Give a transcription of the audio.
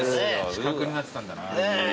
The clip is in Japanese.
死角になってたんだな。